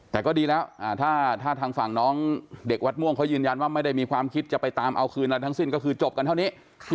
แต่ก็ดีแล้วถ้าทางฝั่งน้องเด็กวัดม่วงเขายืนยันว่าไม่ได้มีความคิดจะไปตามเอาคืนอะไรทั้งสิ้นก็คือจบกันเท่านี้